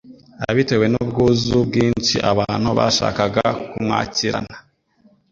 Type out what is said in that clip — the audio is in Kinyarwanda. abitewe n'ubwuzu bwinshi abantu bashakaga kumwakirana.